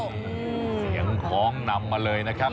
โอ้โหเสียงคล้องนำมาเลยนะครับ